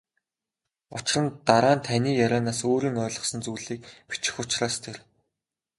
Учир нь дараа нь таны ярианаас өөрийн ойлгосон зүйлийг бичих учраас тэр.